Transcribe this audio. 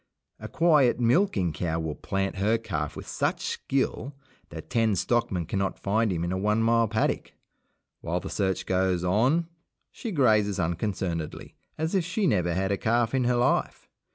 A quiet milking cow will "plant" her calf with such skill that ten stockmen cannot find him in a one mile paddock. While the search goes on she grazes unconcernedly, as if she never had a calf in her life.